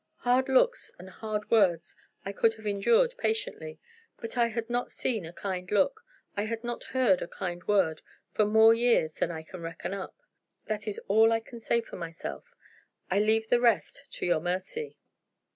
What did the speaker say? Hard looks and hard words I could have endured patiently, but I had not seen a kind look, I had not heard a kind word, for more years than I can reckon up. That is all I can say for myself; I leave the rest to your mercy."